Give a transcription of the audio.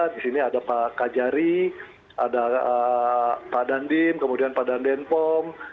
di sini ada pak kajari ada pak dandim kemudian pak dandenpom